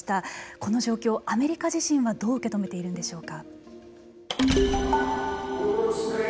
この状況アメリカ自身はどう受け止めているんでしょうか。